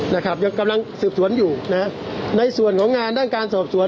นะครับยังกำลังสืบสวนอยู่นะฮะในส่วนของงานด้านการสอบสวน